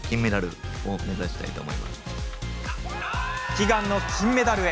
悲願の金メダルへ！